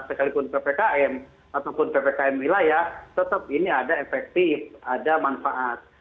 sekalipun ppkm ataupun ppkm wilayah tetap ini ada efektif ada manfaat